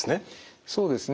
そうですね。